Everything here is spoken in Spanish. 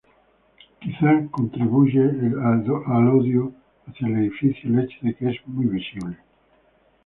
Quizá contribuye al odio hacia el edificio el hecho de que es muy visible.